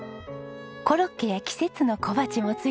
コロッケや季節の小鉢も付いています。